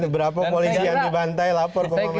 dan berapa polisi yang dibantai lapor kemampuan dia